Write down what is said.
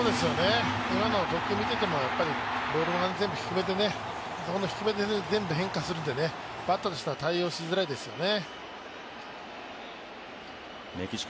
今の投球見ててもボール全部低めでね低めで全部変化するってバッターとしては対応しづらいですよね。